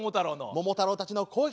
桃太郎たちの攻撃。